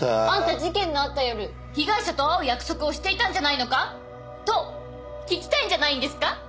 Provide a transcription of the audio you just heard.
「あんた事件のあった夜被害者と会う約束をしていたんじゃないのか？」と聞きたいんじゃないんですか？